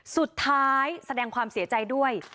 สุดท้ายแสดงความเสียใจด้วย